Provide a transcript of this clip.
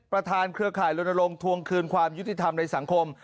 ประธานเครือข่ายลณรงค์ทวงคืนความยุติธรรมในสังคม